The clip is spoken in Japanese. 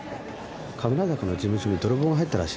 神楽坂の事務所に泥棒が入ったらしいよ。